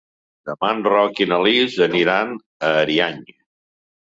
Demà en Roc i na Lis aniran a Ariany.